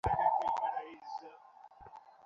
আমি বোঝতে পারছি আপনার সমস্যা।